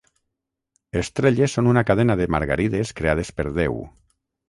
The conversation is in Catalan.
Estrelles són una cadena de margarides creades per Déu.